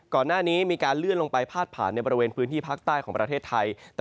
ก่อนหน้านี้มีการเลื่อนลงไปพาดผ่านในบริเวณพื้นที่ภาคใต้ของประเทศไทย